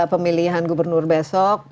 pemilihan gubernur besok